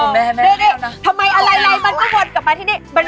แม่ทำไมอะไรเลยมันก็หมดกลับมาที่นี่